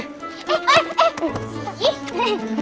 nggak usah nanya